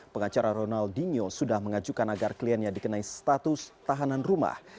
pengacara ronaldinho sudah mengajukan agar kliennya dikenai status tahanan rumah